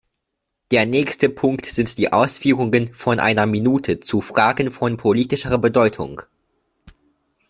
Der nächste Punkt sind die Ausführungen von einer Minute zu Fragen von politischer Bedeutung.